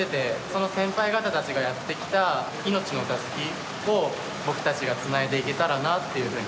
その先輩方たちがやってきた命のタスキを僕たちがつないでいけたらなっていうふうに思います。